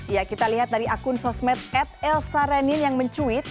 ya kita lihat dari akun sosmed at elsa renin yang mencuit